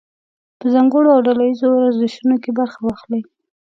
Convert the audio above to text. په ځانګړو او ډله ییزو ورزشونو کې برخه واخلئ.